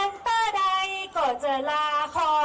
บอกมันต้อได้ก่อนจะลาขอดแล้ว